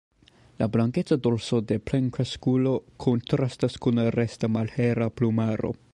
La blankeca dorso de plenkreskulo kontrastas kun la resta malhela plumaro.